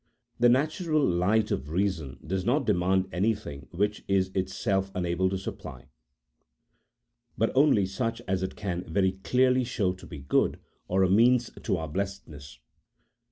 The natural light of reason does not demand anything which it is itself unable to supply, but only such as it can very clearly show to be good, or a means to our blessedness.